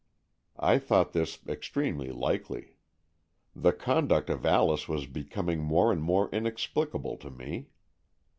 I thought this extremely likely. The con duct of Alice was becoming more and more inexplicable to me.